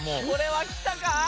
これはきたか？